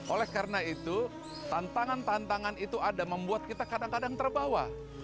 oleh karena itu tantangan tantangan itu ada membuat kita kadang kadang terbawa